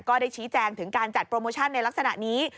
ก็ได้ชี้แจงถึงการจัดโปรโมชั่นในลักษณะนี้